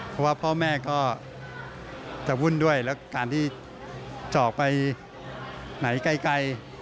เพราะว่าพ่อแม่ก็จะวุ่นด้วยแล้วการที่จะออกไปไหนไกล